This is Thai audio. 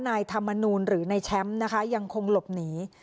นายธรรมนูลหรือนายแชมป์นะคะยังคงหลบหนี